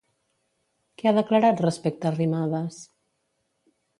Què ha declarat respecte Arrimadas?